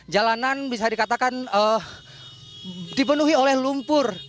jalanan bisa dikatakan dipenuhi oleh lumpur